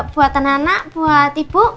buat anak buat ibu